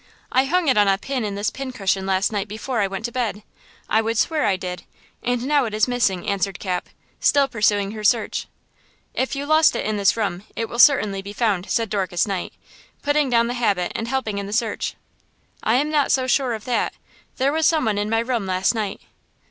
I hung it on a pin in this pin cushion last night before I went to bed. I would swear I did, and now it is missing," answered Cap, still pursuing her search. "If you lost it in this room it will certainly be found," said Dorcas Knight putting down the habit and helping in the search. "I am not so sure of that. There was some one in my room last night."